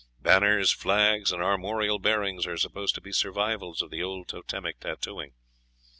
Banners, flags, and armorial bearings are supposed to be survivals of the old totemic tattooing.